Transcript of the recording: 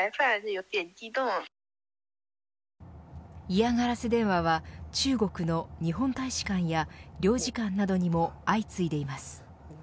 嫌がらせ電話は中国の日本大使館や領事館などにも相次いでいます。